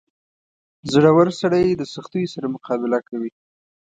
• زړور سړی د سختیو سره مقابله کوي.